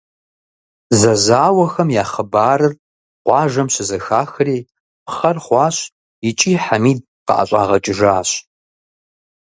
Зэзауэхэм я хъыбарыр къуажэм щызэхахри, пхъэр хъуащ икӀи Хьэмид къыӀэщӀагъэкӀыжащ.